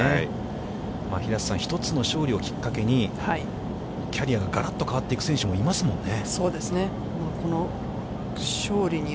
平瀬さん、一つの勝利をきっかけに、キャリアががらっと変わっていく選手もいますもんね。